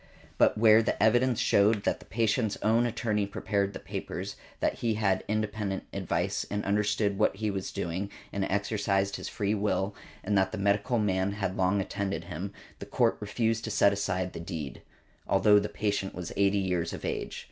But where the evidence showed that the patient's own attorney prepared the papers, that he had independent advice, and understood what he was doing, and exercised his free will, and that the medical man had long attended him, the Court refused to set aside the deed, although the patient was eighty years of age .